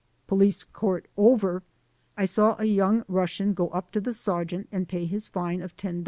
Police court over, I saw a young Rus sian go up to the sergeant and pay his fine of $10.